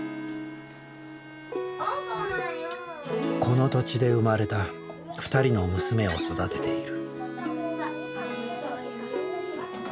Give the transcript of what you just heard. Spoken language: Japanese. この土地で生まれた２人の娘を育てている。